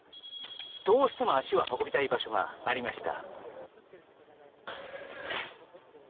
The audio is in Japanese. どうしても足を運びたい場所がありました。